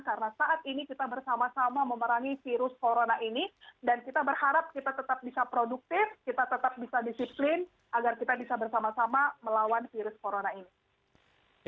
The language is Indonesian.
karena saat ini kita bersama sama memerangi virus corona ini dan kita berharap kita tetap bisa produktif kita tetap bisa disiplin agar kita bisa bersama sama melawan virus corona ini